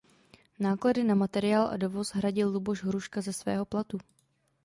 Náklady na materiál a dovoz hradil Luboš Hruška ze svého platu.